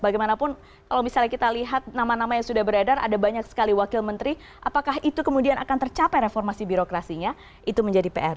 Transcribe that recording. bagaimanapun kalau misalnya kita lihat nama nama yang sudah beredar ada banyak sekali wakil menteri apakah itu kemudian akan tercapai reformasi birokrasinya itu menjadi pr